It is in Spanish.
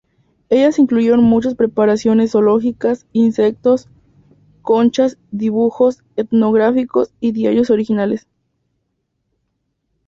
Ellas incluyeron muchas preparaciones zoológicos, insectos, conchas, dibujos etnográficos y diarios originales.